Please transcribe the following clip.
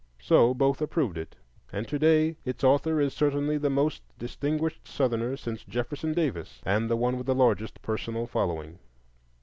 So both approved it, and to day its author is certainly the most distinguished Southerner since Jefferson Davis, and the one with the largest personal following.